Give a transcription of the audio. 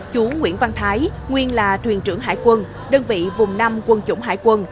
chú nguyễn văn thái nguyên là thuyền trưởng hải quân đơn vị vùng năm quân chủng hải quân